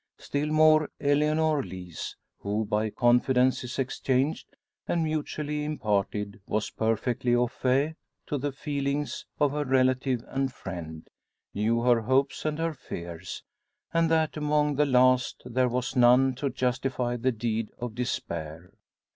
Still more Eleanor Lees, who, by confidences exchanged, and mutually imparted, was perfectly au fait to the feelings of her relative and friend knew her hopes, and her fears, and that among the last there was none to justify the deed of despair.